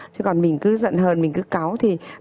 chứ còn mình cứ giận hờn mình cứ cáu thì